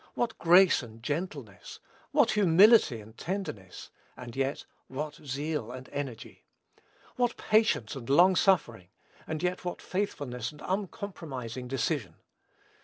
what grace and gentleness! what humility and tenderness! and yet, what zeal and energy! What patience and long suffering! and yet what faithfulness and uncompromising decision!